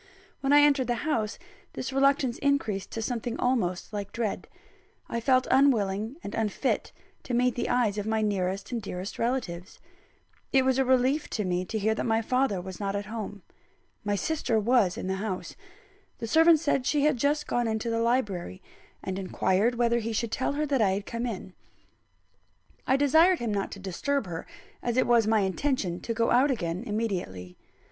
When I entered the house, this reluctance increased to something almost like dread. I felt unwilling and unfit to meet the eyes of my nearest and dearest relatives. It was a relief to me to hear that my father was not at home. My sister was in the house: the servant said she had just gone into the library, and inquired whether he should tell her that I had come in. I desired him not to disturb her, as it was my intention to go out again immediately.